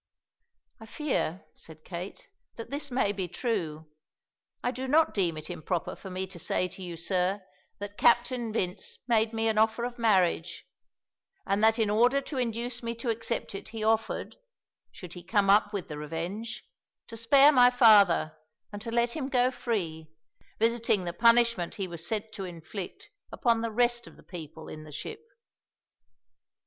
"I fear," said Kate, "that this may be true; I do not deem it improper for me to say to you, sir, that Captain Vince made me an offer of marriage, and that in order to induce me to accept it he offered, should he come up with the Revenge, to spare my father and to let him go free, visiting the punishment he was sent to inflict upon the rest of the people in the ship."